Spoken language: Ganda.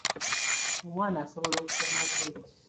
Omwana asobola okusoma obulungi.